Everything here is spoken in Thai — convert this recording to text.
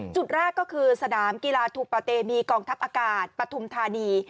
จุดแรกก็คือสนามกีฬาทูปะเตมีกองทัพอากาศปฐุมธานี